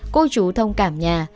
cô chú thông cảm nhà